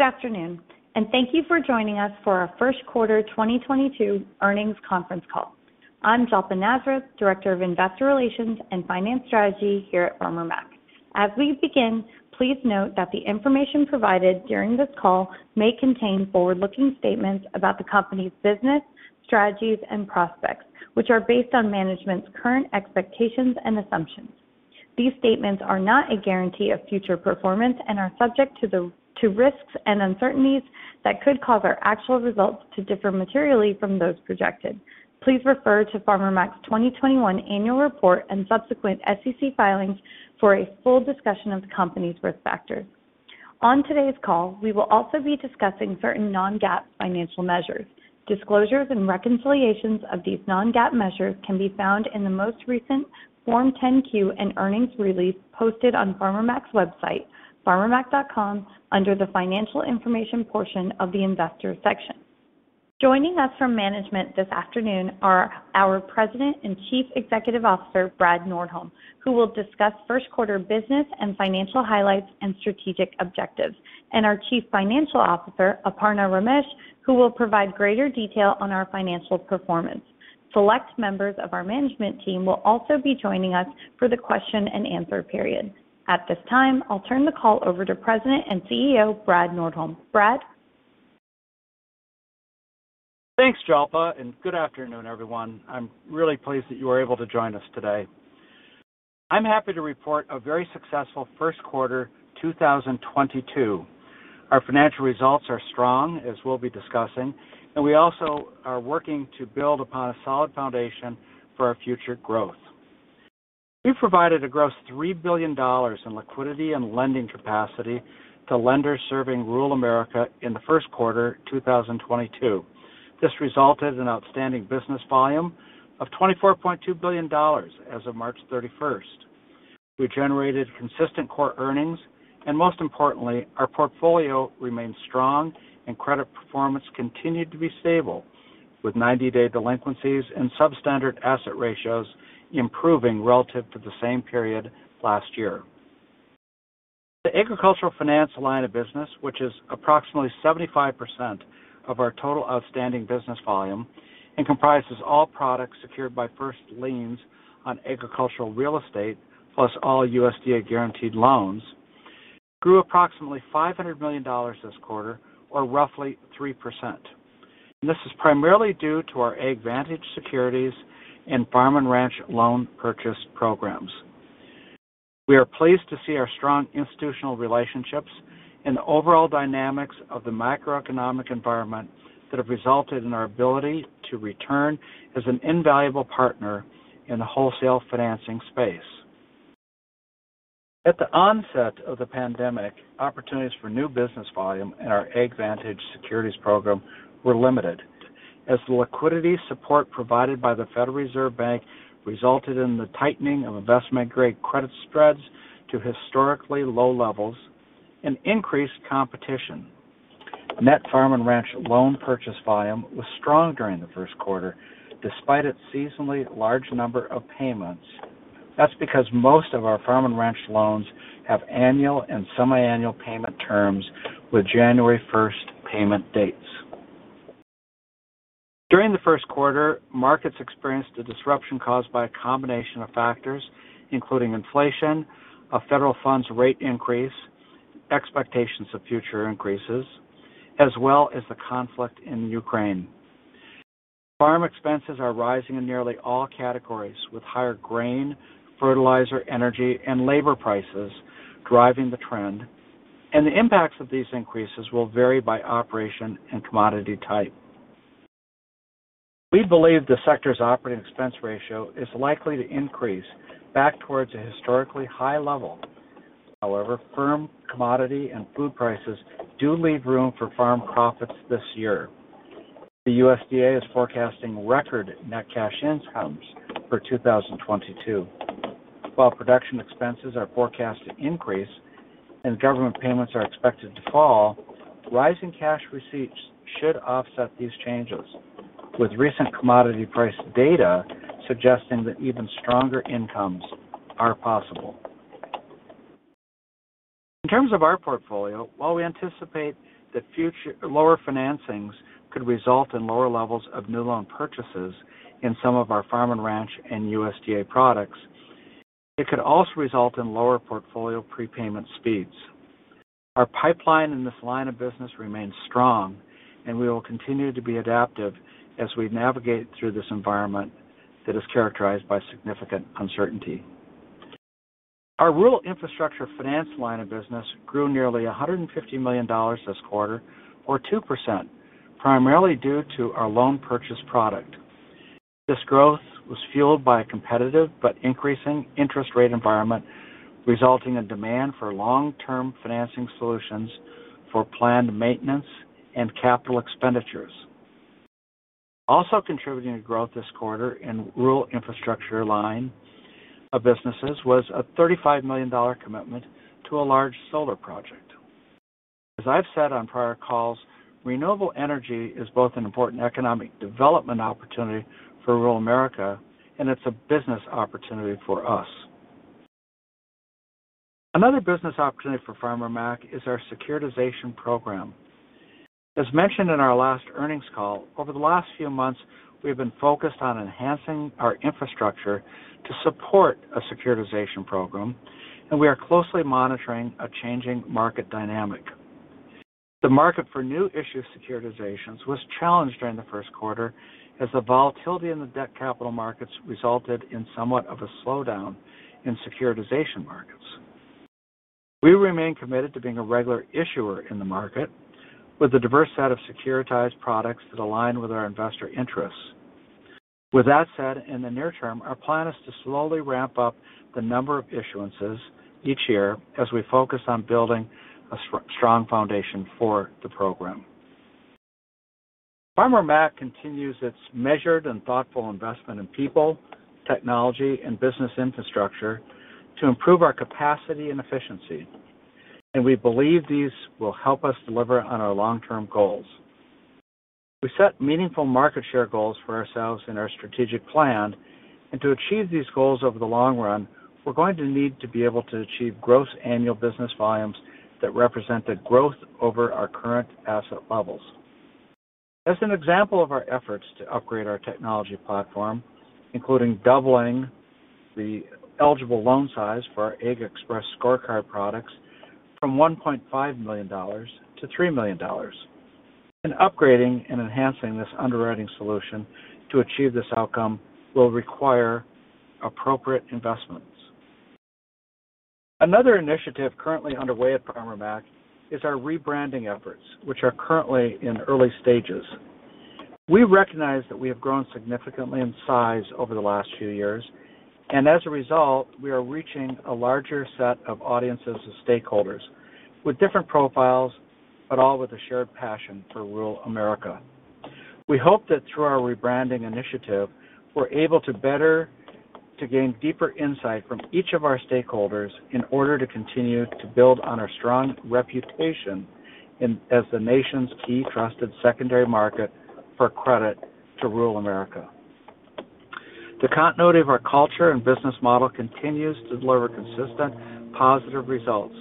Good afternoon, and thank you for joining us for our Q1 2022 Earnings Conference Call. I'm Jalpa Nazareth, Director of Investor Relations and Finance Strategy here at Farmer Mac. As we begin, please note that the information provided during this call may contain forward-looking statements about the company's business, strategies, and prospects, which are based on management's current expectations and assumptions. These statements are not a guarantee of future performance and are subject to risks and uncertainties that could cause our actual results to differ materially from those projected. Please refer to Farmer Mac's 2021 annual report and subsequent SEC filings for a full discussion of the company's risk factors. On today's call, we will also be discussing certain non-GAAP financial measures. Disclosures and reconciliations of these non-GAAP measures can be found in the most recent Form 10-Q and earnings release posted on Farmer Mac's website, farmermac.com, under the Financial Information portion of the Investor section. Joining us from management this afternoon are our President and CEO, Brad Nordholm, who will discuss first quarter business and financial highlights and strategic objectives. Our CFO, Aparna Ramesh, who will provide greater detail on our financial performance. Select members of our management team will also be joining us for the question and answer period. At this time, I'll turn the call over to President and CEO, Brad Nordholm. Brad? Thanks, Jalpa, and good afternoon, everyone. I'm really pleased that you were able to join us today. I'm happy to report a very successful Q1 2022. Our financial results are strong, as we'll be discussing, and we also are working to build upon a solid foundation for our future growth. We provided a gross $3 billion in liquidity and lending capacity to lenders serving rural America in the Q1 2022. This resulted in outstanding business volume of $24.2 billion as of 31 March. We generated consistent core earnings, and most importantly, our portfolio remains strong and credit performance continued to be stable with 90-day delinquencies and substandard asset ratios improving relative to the same period last year. The agricultural finance line of business, which is approximately 75% of our total outstanding business volume and comprises all products secured by first liens on agricultural real estate, plus all USDA guaranteed loans, grew approximately $500 million this quarter, or roughly 3%. This is primarily due to our AgVantage securities and Farm & Ranch loan purchase programs. We are pleased to see our strong institutional relationships and the overall dynamics of the macroeconomic environment that have resulted in our ability to return as an invaluable partner in the wholesale financing space. At the onset of the pandemic, opportunities for new business volume in our AgVantage securities program were limited as the liquidity support provided by the Federal Reserve Bank resulted in the tightening of investment-grade credit spreads to historically low levels and increased competition. Net Farm & Ranch loan purchase volume was strong during the Q1, despite its seasonally large number of payments. That's because most of our Farm & Ranch loans have annual and semiannual payment terms with January first payment dates. During the Q1, markets experienced a disruption caused by a combination of factors, including inflation, a federal funds rate increase, expectations of future increases, as well as the conflict in Ukraine. Farm expenses are rising in nearly all categories, with higher grain, fertilizer, energy, and labor prices driving the trend, and the impacts of these increases will vary by operation and commodity type. We believe the sector's operating expense ratio is likely to increase back towards a historically high level. However, firm commodity and food prices do leave room for farm profits this year. The USDA is forecasting record net cash incomes for 2022. While production expenses are forecast to increase and government payments are expected to fall, rising cash receipts should offset these changes, with recent commodity price data suggesting that even stronger incomes are possible. In terms of our portfolio, while we anticipate that future lower financings could result in lower levels of new loan purchases in some of our Farm & Ranch and USDA products, it could also result in lower portfolio prepayment speeds. Our pipeline in this line of business remains strong, and we will continue to be adaptive as we navigate through this environment that is characterized by significant uncertainty. Our Rural Infrastructure Finance line of business grew nearly $150 million this quarter, or 2%, primarily due to our loan purchase product. This growth was fueled by a competitive but increasing interest rate environment, resulting in demand for long-term financing solutions for planned maintenance and capital expenditures. Also contributing to growth this quarter in rural infrastructure line of businesses was a $35 million commitment to a large solar project. As I've said on prior calls, renewable energy is both an important economic development opportunity for rural America, and it's a business opportunity for us. Another business opportunity for Farmer Mac is our securitization program. As mentioned in our last earnings call, over the last few months, we have been focused on enhancing our infrastructure to support a securitization program, and we are closely monitoring a changing market dynamic. The market for new issue securitizations was challenged during the Q1 as the volatility in the debt capital markets resulted in somewhat of a slowdown in securitization markets. We remain committed to being a regular issuer in the market with a diverse set of securitized products that align with our investor interests. With that said, in the near term, our plan is to slowly ramp up the number of issuances each year as we focus on building a strong foundation for the program. Farmer Mac continues its measured and thoughtful investment in people, technology, and business infrastructure to improve our capacity and efficiency, and we believe these will help us deliver on our long-term goals. We set meaningful market share goals for ourselves in our strategic plan, and to achieve these goals over the long run, we're going to need to be able to achieve gross annual business volumes that represent a growth over our current asset levels. As an example of our efforts to upgrade our technology platform, including doubling the eligible loan size for our AgXpress Scorecard products from $1.5 to $3 million. Upgrading and enhancing this underwriting solution to achieve this outcome will require appropriate investments. Another initiative currently underway at Farmer Mac is our rebranding efforts, which are currently in early stages. We recognize that we have grown significantly in size over the last few years, and as a result, we are reaching a larger set of audiences and stakeholders with different profiles, but all with a shared passion for rural America. We hope that through our rebranding initiative, we're able to better to gain deeper insight from each of our stakeholders in order to continue to build on our strong reputation as the nation's key trusted secondary market for credit to rural America. The continuity of our culture and business model continues to deliver consistent, positive results.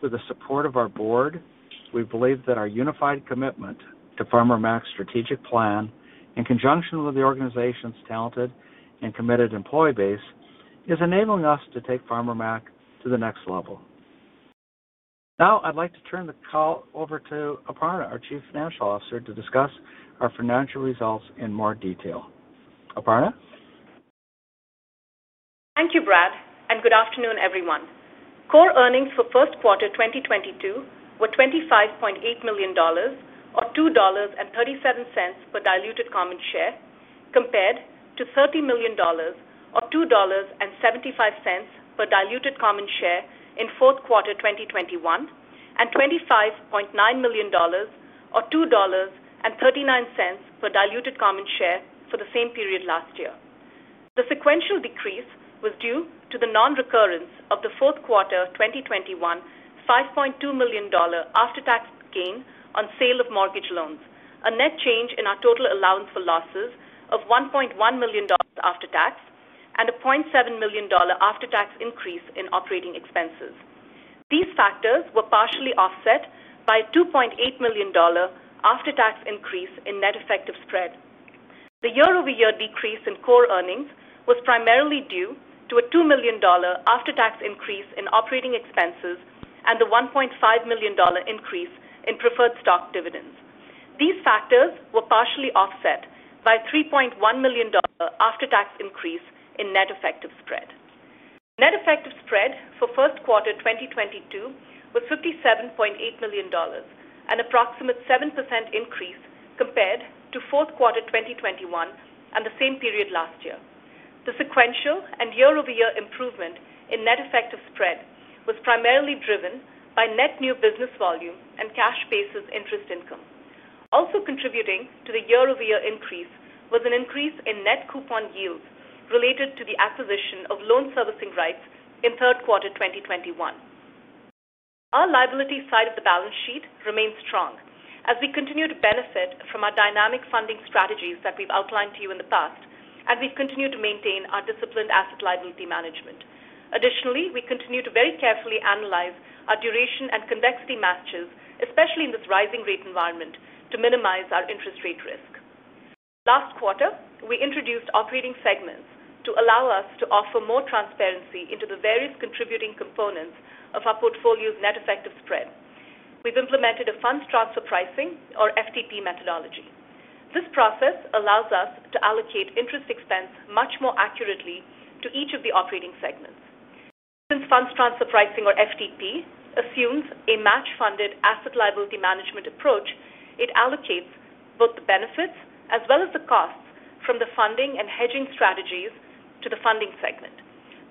With the support of our board, we believe that our unified commitment to Farmer Mac's strategic plan, in conjunction with the organization's talented and committed employee base, is enabling us to take Farmer Mac to the next level. Now I'd like to turn the call over to Aparna, our CFO, to discuss our financial results in more detail. Aparna? Thank you, Brad, and good afternoon, everyone. Core earnings for Q1 2022 were $25.8 million, or $2.37 per diluted common share, compared to $30 million or $2.75 per diluted common share in Q4 2021, and $25.9 million or $2.39 per diluted common share for the same period last year. The sequential decrease was due to the non-recurrence of the Q4 2021 $5.2 million after-tax gain on sale of mortgage loans, a net change in our total allowance for losses of $1.1 million after tax, and a $0.7 million after-tax increase in operating expenses. These factors were partially offset by a $2.8 million after-tax increase in net effective spread. The year-over-year decrease in core earnings was primarily due to a $2 million after-tax increase in operating expenses and the $1.5 million increase in preferred stock dividends. These factors were partially offset by $3.1 million after-tax increase in net effective spread. Net effective spread for Q1 2022 was $57.8 million, an approximate 7% increase compared to Q4 2021 and the same period last year. The sequential and year-over-year improvement in net effective spread was primarily driven by net new business volume and cash-basis interest income. Also contributing to the year-over-year increase was an increase in net coupon yields related to the acquisition of loan servicing rights in Q3 2021. Our liability side of the balance sheet remains strong as we continue to benefit from our dynamic funding strategies that we've outlined to you in the past as we continue to maintain our disciplined asset liability management. Additionally, we continue to very carefully analyze our duration and convexity matches, especially in this rising rate environment, to minimize our interest rate risk. Last quarter, we introduced operating segments to allow us to offer more transparency into the various contributing components of our portfolio's net effective spread. We've implemented a funds transfer pricing or FTP methodology. This process allows us to allocate interest expense much more accurately to each of the operating segments. Since funds transfer pricing or FTP assumes a match-funded asset liability management approach, it allocates both the benefits as well as the costs from the funding and hedging strategies to the funding segment.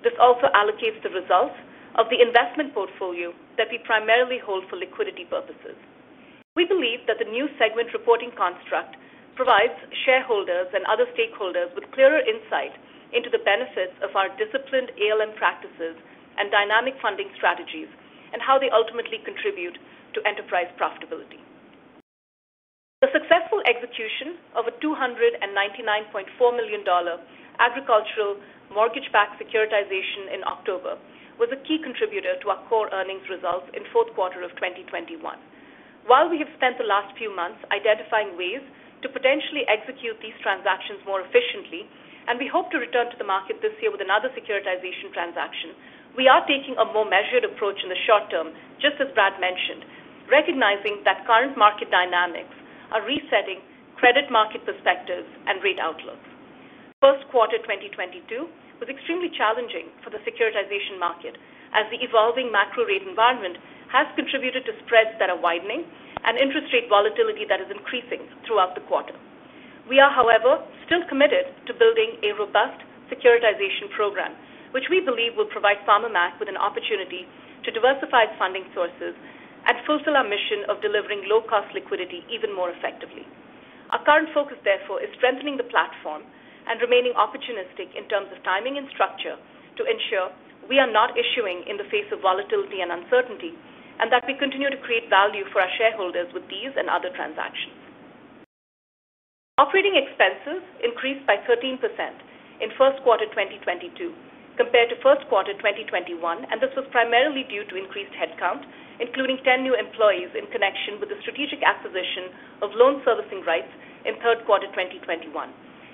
This also allocates the results of the investment portfolio that we primarily hold for liquidity purposes. We believe that the new segment reporting construct provides shareholders and other stakeholders with clearer insight into the benefits of our disciplined ALM practices and dynamic funding strategies and how they ultimately contribute to enterprise profitability. Successful execution of a $299.4 million agricultural mortgage-backed securitization in October was a key contributor to our core earnings results in fourth quarter of 2021. While we have spent the last few months identifying ways to potentially execute these transactions more efficiently, and we hope to return to the market this year with another securitization transaction, we are taking a more measured approach in the short term, just as Brad mentioned, recognizing that current market dynamics are resetting credit market perspectives and rate outlooks. Q1 2022 was extremely challenging for the securitization market as the evolving macro rate environment has contributed to spreads that are widening and interest rate volatility that is increasing throughout the quarter. We are, however, still committed to building a robust securitization program, which we believe will provide Farmer Mac with an opportunity to diversify its funding sources and fulfill our mission of delivering low-cost liquidity even more effectively. Our current focus, therefore, is strengthening the platform and remaining opportunistic in terms of timing and structure to ensure we are not issuing in the face of volatility and uncertainty, and that we continue to create value for our shareholders with these and other transactions. Operating expenses increased by 13% in Q1 2022 compared to Q1 2021, and this was primarily due to increased headcount, including 10 new employees in connection with the strategic acquisition of loan servicing rights in Q3 2021.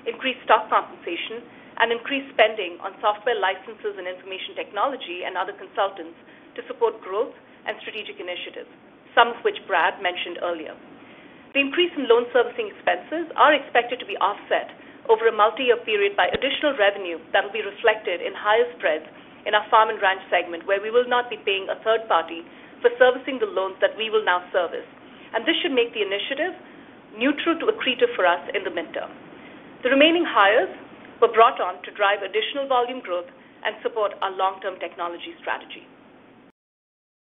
Increased stock compensation and increased spending on software licenses and information technology and other consultants to support growth and strategic initiatives, some of which Brad mentioned earlier. The increase in loan servicing expenses are expected to be offset over a multi-year period by additional revenue that will be reflected in higher spreads in our Farm & Ranch segment, where we will not be paying a third party for servicing the loans that we will now service. This should make the initiative neutral to accretive for us in the midterm. The remaining hires were brought on to drive additional volume growth and support our long-term technology strategy.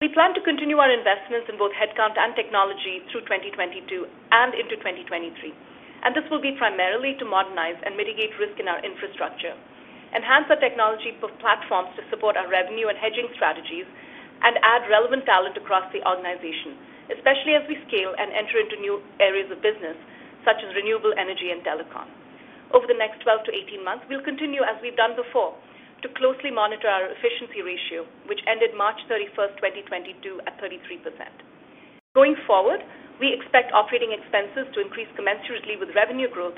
We plan to continue our investments in both headcount and technology through 2022 and into 2023, and this will be primarily to modernize and mitigate risk in our infrastructure, enhance our technology platforms to support our revenue and hedging strategies, and add relevant talent across the organization, especially as we scale and enter into new areas of business such as renewable energy and telecom. Over the next 12 to 18 months, we'll continue, as we've done before, to closely monitor our efficiency ratio, which ended 31 March 2022 at 33%. Going forward, we expect operating expenses to increase commensurately with revenue growth.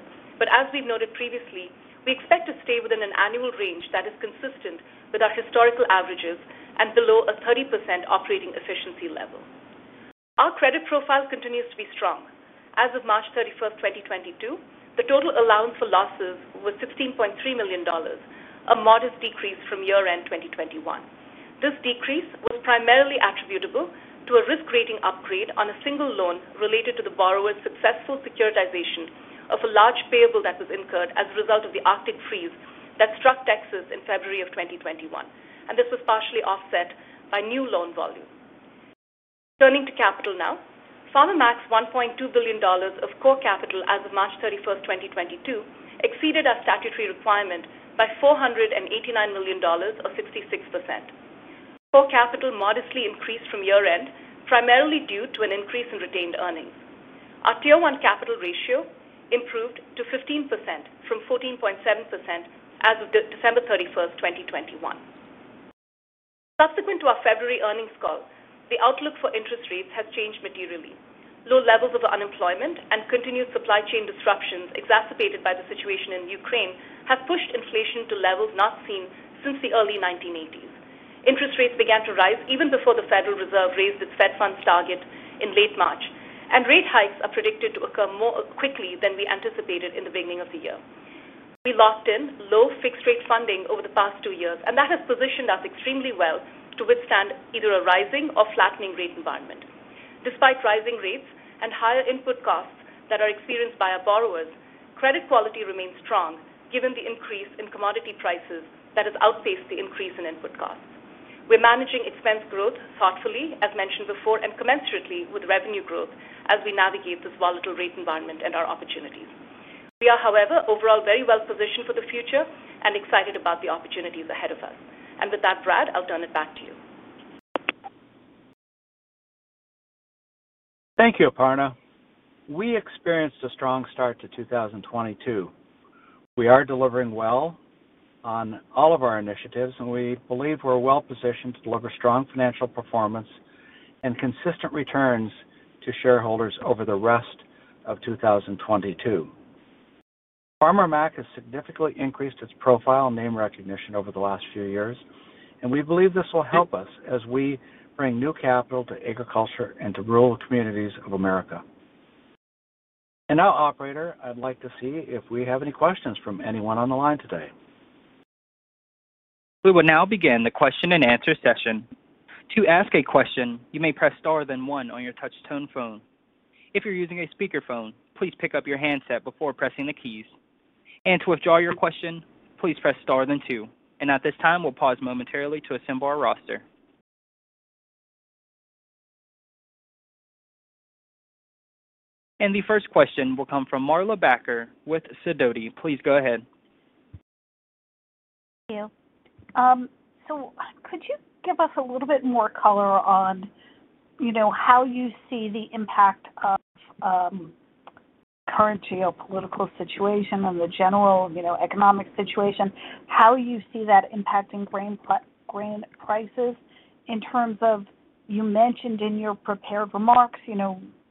As we've noted previously, we expect to stay within an annual range that is consistent with our historical averages and below a 30% operating efficiency level. Our credit profile continues to be strong. As of 31 March 2022, the total allowance for losses was $16.3 million, a modest decrease from year-end 2021. This decrease was primarily attributable to a risk rating upgrade on a single loan related to the borrower's successful securitization of a large payable that was incurred as a result of the Arctic freeze that struck Texas in February 2021. This was partially offset by new loan volume. Turning to capital now. Farmer Mac's $1.2 billion of core capital as of 31 March 2022 exceeded our statutory requirement by $489 million or 66%. Core capital modestly increased from year-end, primarily due to an increase in retained earnings. Our Tier 1 capital ratio improved to 15% from 14.7% as of 31 December 2021. Subsequent to our February earnings call, the outlook for interest rates has changed materially. Low levels of unemployment and continued supply chain disruptions exacerbated by the situation in Ukraine have pushed inflation to levels not seen since the early 1980s. Interest rates began to rise even before the Federal Reserve raised its fed funds target in late March. Rate hikes are predicted to occur more quickly than we anticipated in the beginning of the year. We locked in low fixed rate funding over the past two years, and that has positioned us extremely well to withstand either a rising or flattening rate environment. Despite rising rates and higher input costs that are experienced by our borrowers, credit quality remains strong given the increase in commodity prices that has outpaced the increase in input costs. We're managing expense growth thoughtfully, as mentioned before, and commensurately with revenue growth as we navigate this volatile rate environment and our opportunities. We are, however, overall very well positioned for the future and excited about the opportunities ahead of us. With that, Brad, I'll turn it back to you. Thank you, Aparna. We experienced a strong start to 2022. We are delivering well on all of our initiatives, and we believe we're well positioned to deliver strong financial performance and consistent returns to shareholders over the rest of 2022. Farmer Mac has significantly increased its profile and name recognition over the last few years, and we believe this will help us as we bring new capital to agriculture and to rural communities of America. Now, operator, I'd like to see if we have any questions from anyone on the line today. We will now begin the question-and-answer session. To ask a question, you may press star then one on your touch-tone phone. If you're using a speakerphone, please pick up your handset before pressing the keys. To withdraw your question, please press star then two. At this time, we'll pause momentarily to assemble our roster. The first question will come from Marla Backer with Sidoti. Please go ahead. Thank you. So could you give us a little bit more color on, you know, how you see the impact of current geopolitical situation and the general, you know, economic situation, how you see that impacting grain prices in terms of, you mentioned in your prepared remarks,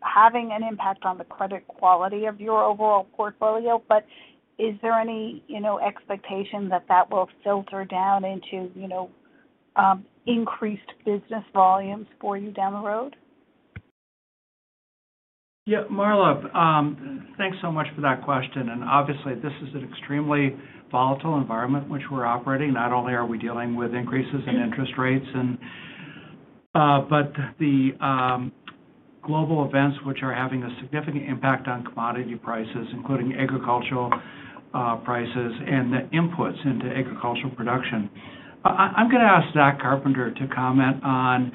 having an impact on the credit quality of your overall portfolio. Is there any, expectation that that will filter down into, increased business volumes for you down the road? Yeah. Marla, thanks so much for that question. Obviously this is an extremely volatile environment which we're operating. Not only are we dealing with increases in interest rates, but the global events which are having a significant impact on commodity prices, including agricultural prices and the inputs into agricultural production. I'm going to ask Zach Carpenter to comment on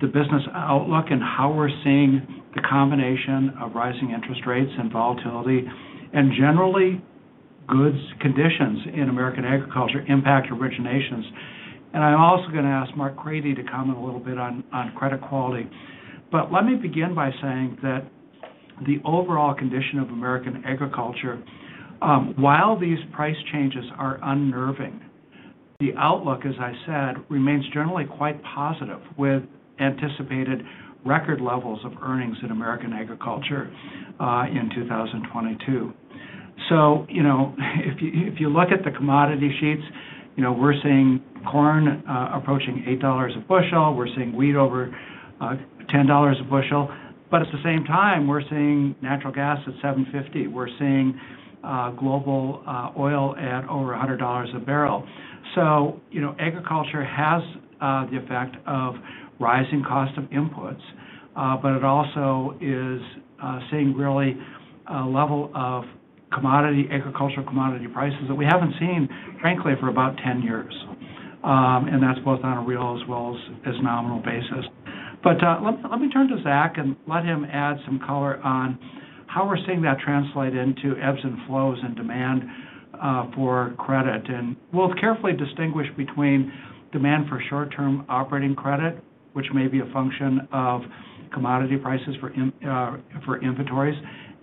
the business outlook and how we're seeing the combination of rising interest rates and volatility and generally good conditions in American agriculture impact originations. I'm also going to ask Marc Crady to comment a little bit on credit quality. Let me begin by saying that the overall condition of American agriculture, while these price changes are unnerving, the outlook, as I said, remains generally quite positive, with anticipated record levels of earnings in American agriculture in 2022. If you look at the commodity sheets, you know, we're seeing corn approaching $8 a bushel. We're seeing wheat over $10 a bushel. But at the same time, we're seeing natural gas at $7.50. We're seeing global oil at over $100 a barrel. You know, agriculture has the effect of rising cost of inputs. But it also is seeing really a level of commodity, agricultural commodity prices that we haven't seen, frankly, for about 10 years. That's both on a real as well as nominal basis. Let me turn to Zach and let him add some color on how we're seeing that translate into ebbs and flows and demand for credit. We'll carefully distinguish between demand for short-term operating credit, which may be a function of commodity prices for inventories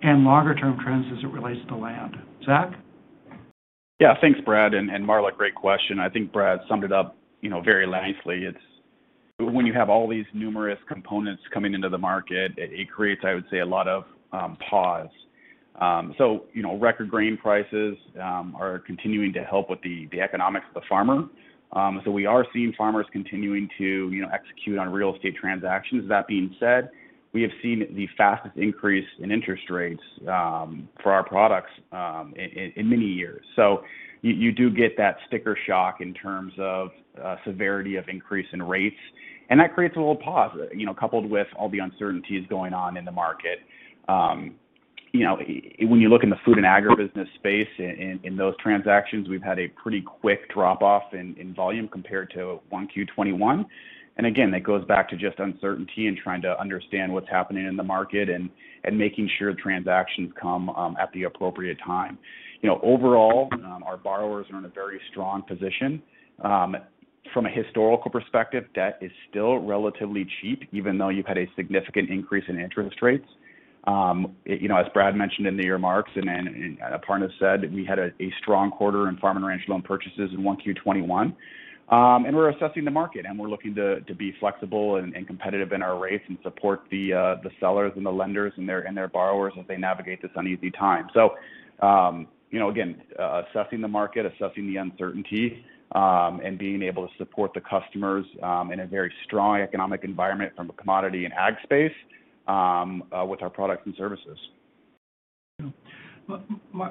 and longer term trends as it relates to land. Zach. Yeah. Thanks, Brad. Marla, great question. I think Brad summed it up, very nicely. It's when you have all these numerous components coming into the market, it creates, I would say, a lot of pause. Record grain prices are continuing to help with the economics of the farmer. We are seeing farmers continuing to, you know, execute on real estate transactions. That being said, we have seen the fastest increase in interest rates for our products in many years. You do get that sticker shock in terms of severity of increase in rates, and that creates a little pause, coupled with all the uncertainties going on in the market. You know, when you look in the food and agribusiness space, in those transactions, we've had a pretty quick drop off in volume compared to Q1 2021. Again, that goes back to just uncertainty and trying to understand what's happening in the market and making sure transactions come at the appropriate time. You know, overall, our borrowers are in a very strong position. From a historical perspective, debt is still relatively cheap, even though you've had a significant increase in interest rates. You know, as Brad mentioned in the remarks and Aparna Ramesh said, we had a strong quarter in Farm & Ranch loan purchases in Q1 2021. We're assessing the market, and we're looking to be flexible and competitive in our rates and support the sellers and the lenders and their borrowers as they navigate this uneasy time. You know, again, assessing the market, assessing the uncertainty, and being able to support the customers in a very strong economic environment from a commodity and ag space with our products and services.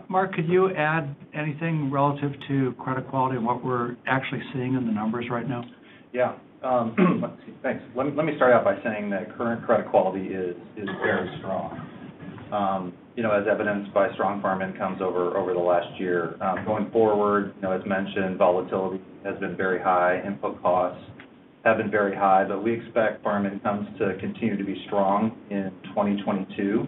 Marc, could you add anything relative to credit quality and what we're actually seeing in the numbers right now? Yeah. Thanks. Let me start out by saying that current credit quality is very strong, as evidenced by strong farm incomes over the last year. Going forward, as mentioned, volatility has been very high. Input costs have been very high. We expect farm incomes to continue to be strong in 2022.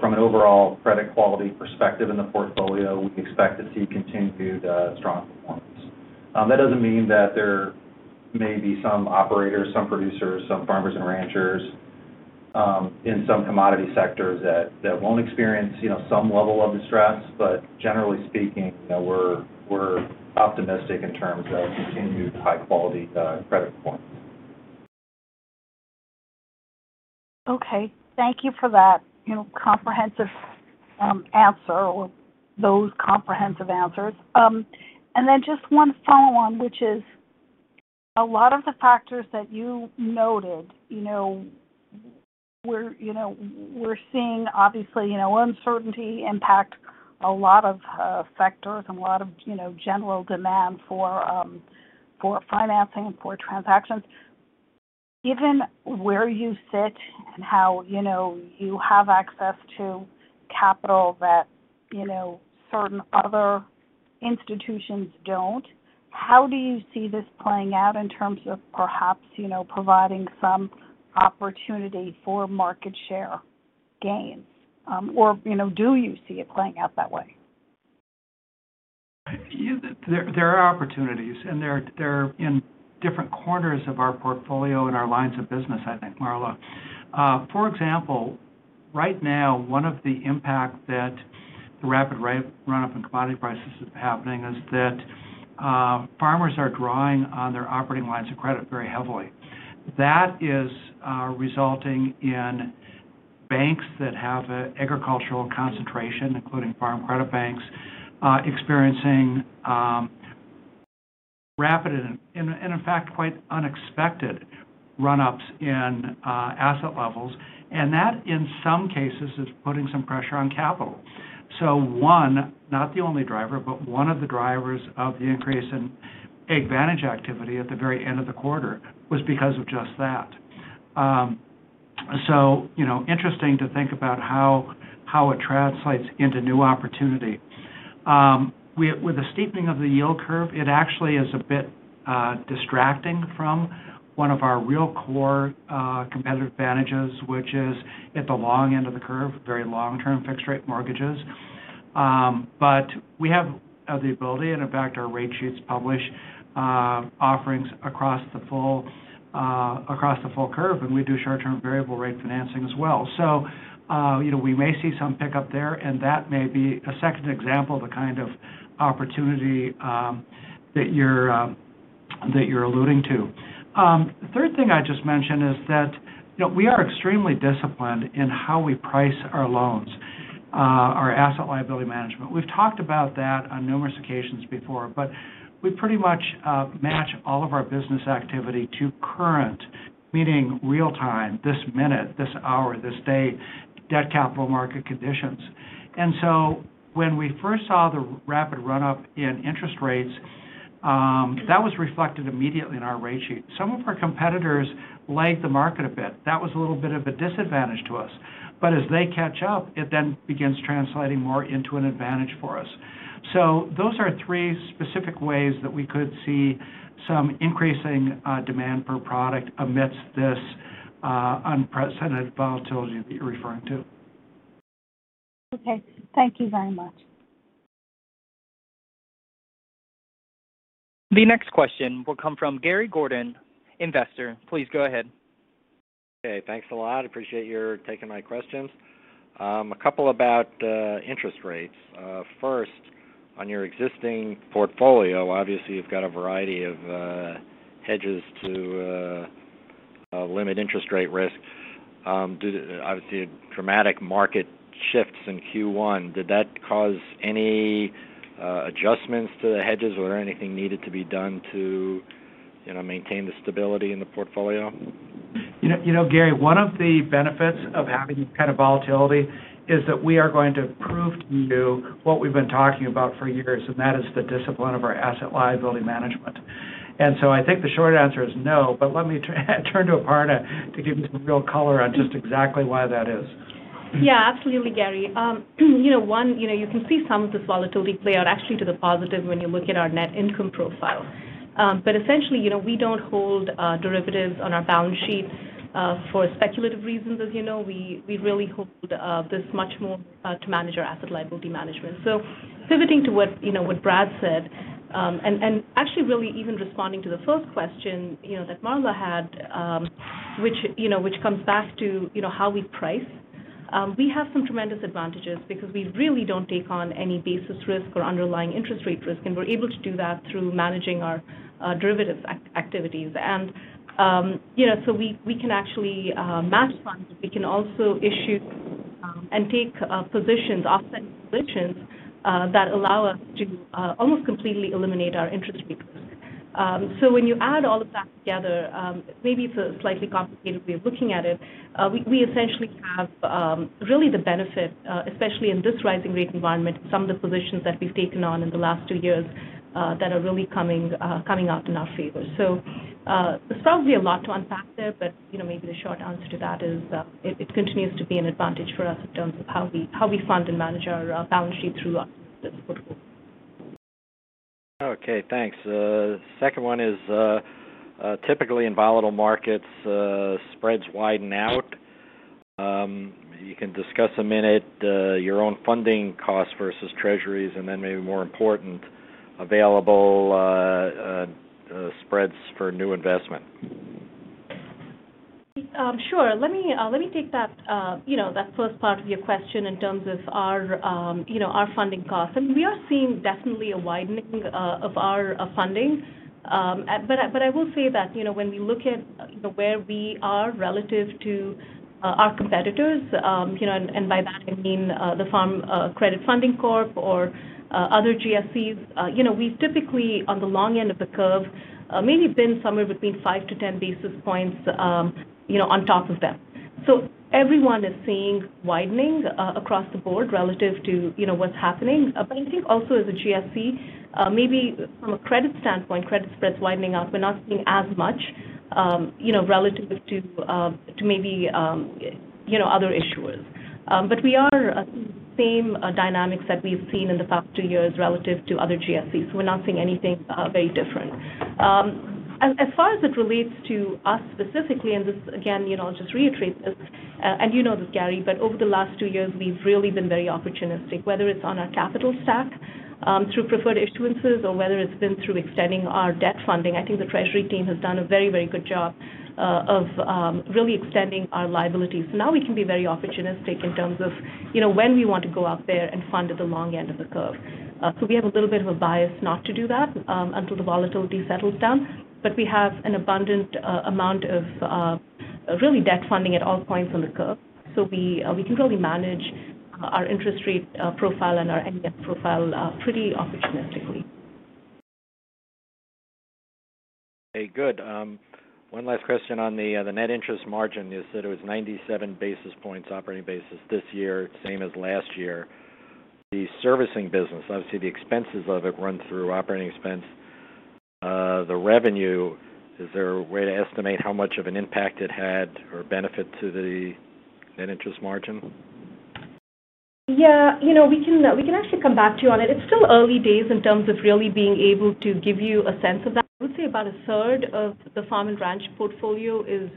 From an overall credit quality perspective in the portfolio, we expect to see continued strong performance. That doesn't mean that there may be some operators, some producers, some farmers and ranchers, in some commodity sectors that won't experience some level of distress. Generally speaking, you know, we're optimistic in terms of continued high-quality credit performance. Okay. Thank you for that comprehensive answer or those comprehensive answers. Just one follow on, which is a lot of the factors that you noted, we're seeing obviously, uncertainty impact a lot of factors and a lot of, general demand for financing and for transactions. Given where you sit and how, you have access to capital that, certain other institutions don't. How do you see this playing out in terms of perhaps, providing some opportunity for market share gains? Or, do you see it playing out that way? Yeah. There are opportunities, and they're in different corners of our portfolio in our lines of business, I think, Marla. For example, right now, one of the impacts that the rapid run-up in commodity prices is happening is that farmers are drawing on their operating lines of credit very heavily. That is resulting in banks that have an agricultural concentration, including Farm Credit Banks, experiencing rapid and, in fact, quite unexpected run-ups in asset levels. That, in some cases, is putting some pressure on capital. One, not the only driver, but one of the drivers of the increase in AgVantage activity at the very end of the quarter was because of just that. So, interesting to think about how it translates into new opportunity. With the steepening of the yield curve, it actually is a bit distracting from one of our real core competitive advantages, which is at the long end of the curve, very long-term fixed rate mortgages. But we have the ability and in fact, our rate sheets publish offerings across the full curve, and we do short-term variable rate financing as well. You know, we may see some pickup there, and that may be a second example of the kind of opportunity that you're alluding to. The third thing I just mentioned is that, you know, we are extremely disciplined in how we price our loans, our asset liability management. We've talked about that on numerous occasions before, but we pretty much match all of our business activity to current, meaning real time, this minute, this hour, this day, debt capital market conditions. When we first saw the rapid run-up in interest rates, that was reflected immediately in our rate sheet. Some of our competitors lagged the market a bit. That was a little bit of a disadvantage to us. As they catch up, it then begins translating more into an AgVantage for us. Those are three specific ways that we could see some increasing demand per product amidst this unprecedented volatility that you're referring to. Okay. Thank you very much. The next question will come from Gary Gordon, investor. Please go ahead. Okay. Thanks a lot. Appreciate your taking my questions. A couple about interest rates. First, on your existing portfolio, obviously, you've got a variety of hedges to limit interest rate risk. Due to obviously dramatic market shifts in Q1, did that cause any adjustments to the hedges? Was there anything needed to be done to maintain the stability in the portfolio? Gary, one of the benefits of having this kind of volatility is that we are going to prove to you what we've been talking about for years, and that is the discipline of our asset liability management. I think the short answer is no, but let me turn to Aparna to give you some real color on just exactly why that is. Yeah, absolutely, Gary. You can see some of this volatility play out actually to the positive when you look at our net income profile. Essentially, we don't hold derivatives on our balance sheet for speculative reasons as you know. We really hold this much more to manage our asset liability management. So pivoting to what Brad said, and actually really even responding to the first question, that Marla had, which you know which comes back to, how we price. We have some tremendous advantages because we really don't take on any basis risk or underlying interest rate risk, and we're able to do that through managing our derivatives activities. So we can actually match funds. We can also issue and take positions, offset positions that allow us to almost completely eliminate our interest rate risk. When you add all of that together, maybe it's a slightly complicated way of looking at it. We essentially have really the benefit, especially in this rising rate environment, some of the positions that we've taken on in the last two years that are really coming out in our favor. There's probably a lot to unpack there, but you know, maybe the short answer to that is, it continues to be an advantage for us in terms of how we fund and manage our balance sheet through our. Okay. Thanks. Second one is, typically in volatile markets, spreads widen out. You can discuss a minute, your own funding costs versus treasuries, and then maybe more important, available spreads for new investment. Sure. Let me take that, that first part of your question in terms of our funding costs. We are seeing definitely a widening of our funding. I will say that when we look at where we are relative to our competitors, you know, and by that I mean the Federal Farm Credit Banks Funding Corporation or other GSEs. We typically on the long end of the curve maybe been somewhere between five to 10 basis points, you know, on top of them. Everyone is seeing widening across the board relative to, you know, what's happening. I think also as a GSE, maybe from a credit standpoint, credit spreads widening out, we're not seeing as much, you know, relative to maybe, you know, other issuers. We are seeing same dynamics that we've seen in the past two years relative to other GSEs. We're not seeing anything very different. As far as it relates to us specifically, this, again, you know, I'll just reiterate this, and you know this, Gary, but over the last two years we've really been very opportunistic, whether it's on our capital stack, through preferred issuances or whether it's been through extending our debt funding. I think the treasury team has done a very, very good job of really extending our liabilities. Now we can be very opportunistic in terms of, you know, when we want to go out there and fund at the long end of the curve. We have a little bit of a bias not to do that until the volatility settles down. We have an abundant amount of really debt funding at all points on the curve. We can really manage our interest rate profile and our end debt profile pretty opportunistically. Okay, good. One last question on the net interest margin. You said it was 97 basis points operating basis this year, same as last year. The servicing business, obviously the expenses of it run through operating expense. The revenue, is there a way to estimate how much of an impact it had or benefit to the net interest margin? Yeah. You know, we can actually come back to you on it. It's still early days in terms of really being able to give you a sense of that. I would say about a third of the Farm & Ranch portfolio is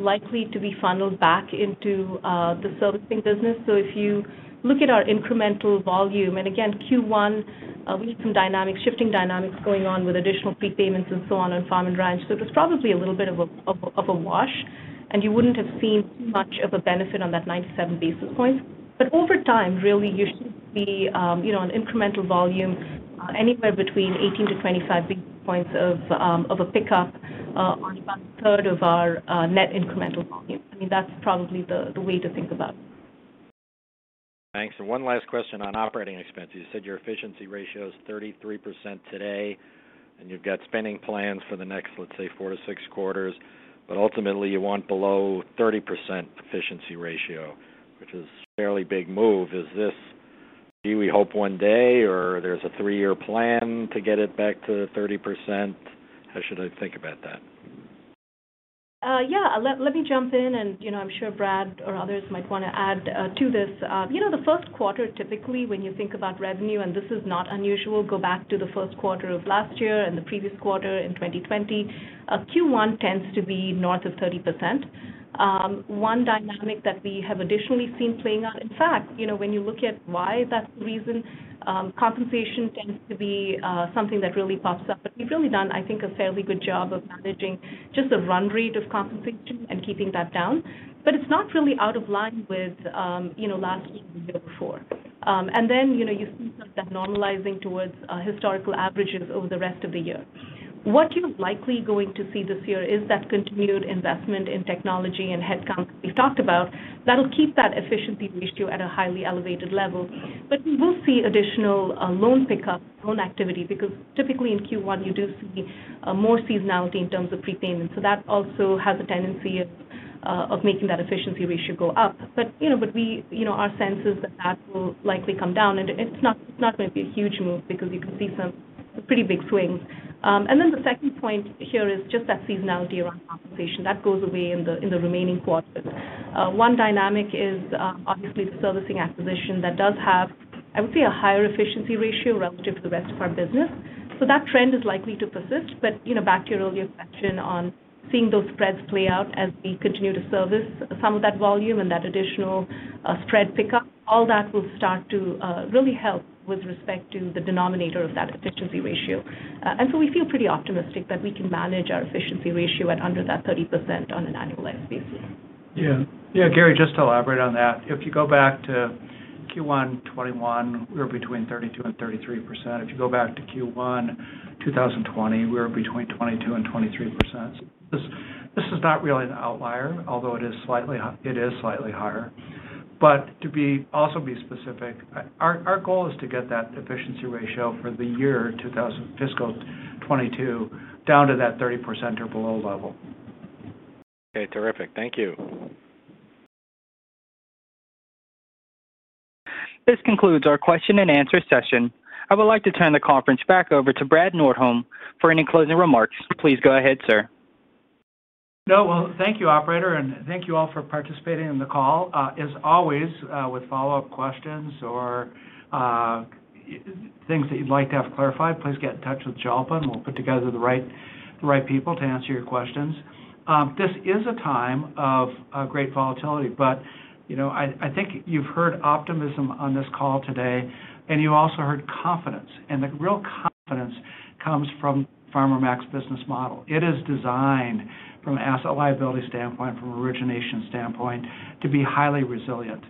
likely to be funneled back into the servicing business. If you look at our incremental volume, and again, Q1, we had some dynamics, shifting dynamics going on with additional prepayments and so on in Farm & Ranch. It was probably a little bit of a wash, and you wouldn't have seen much of a benefit on that 97 basis points. Over time, really you should see, you know, an incremental volume anywhere between 18 to 25 basis points of a pickup on about a third of our net incremental volume. I mean, that's probably the way to think about it. Thanks. One last question on operating expenses. You said your efficiency ratio is 33% today, and you've got spending plans for the next, let's say, four to six quarters. Ultimately you want below 30% efficiency ratio, which is a fairly big move. Is this, gee, we hope one day or there's a three-year plan to get it back to the 30%? How should I think about that? Let me jump in, and you know, I'm sure Brad or others might wanna add to this. You know, the Q1, typically, when you think about revenue, and this is not unusual. Go back to the Q1 of last year and the previous quarter in 2020. Q1 tends to be north of 30%. One dynamic that we have additionally seen playing out. In fact, you know, when you look at why that's the reason, compensation tends to be something that really pops up. We've really done, I think, a fairly good job of managing just the run rate of compensation and keeping that down. It's not really out of line with, you know, last year and the year before. You see some of that normalizing towards historical averages over the rest of the year. What you're likely going to see this year is that continued investment in technology and headcount that we talked about. That'll keep that efficiency ratio at a highly elevated level. We will see additional loan pickup, loan activity, because typically in Q1 you do see more seasonality in terms of prepayment. That also has a tendency of making that efficiency ratio go up. We know, our sense is that will likely come down, and it's not going to be a huge move because we can see some pretty big swings. The second point here is just that seasonality around compensation. That goes away in the remaining quarters. One dynamic is obviously the servicing acquisition that does have, I would say, a higher efficiency ratio relative to the rest of our business. That trend is likely to persist. You know, back to your earlier question on seeing those spreads play out as we continue to service some of that volume and that additional spread pickup, all that will start to really help with respect to the denominator of that efficiency ratio. We feel pretty optimistic that we can manage our efficiency ratio at under that 30% on an annualized basis. Yeah. Yeah, Gary, just to elaborate on that. If you go back to Q1 2021, we were between 32% and 33%. If you go back to Q1 2020, we were between 22% and 23%. This is not really an outlier, although it is slightly higher. But to be also specific, our goal is to get that efficiency ratio for fiscal 2022 down to that 30% or below level. Okay. Terrific. Thank you. This concludes our question and answer session. I would like to turn the conference back over to Brad Nordholm for any closing remarks. Please go ahead, sir. No. Well, thank you, operator, and thank you all for participating in the call. As always, with follow-up questions or things that you'd like to have clarified, please get in touch with Jalpa. We'll put together the right people to answer your questions. This is a time of great volatility, but you know, I think you've heard optimism on this call today, and you also heard confidence. The real confidence comes from Farmer Mac's business model. It is designed from an asset liability standpoint, from an origination standpoint to be highly resilient.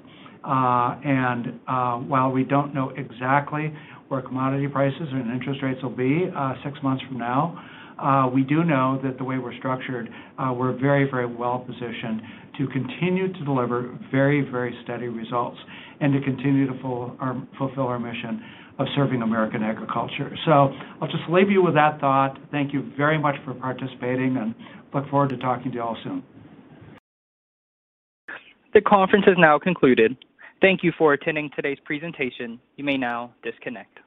While we don't know exactly where commodity prices and interest rates will be six months from now, we do know that the way we're structured, we're very well positioned to continue to deliver very steady results and to continue to fulfill our mission of serving American agriculture. I'll just leave you with that thought. Thank you very much for participating. Look forward to talking to you all soon. The conference is now concluded. Thank you for attending today's presentation. You may now disconnect.